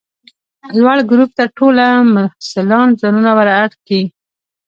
لوړ ګروپ ته ټوله محصلان ځانونه ور اډ کئ!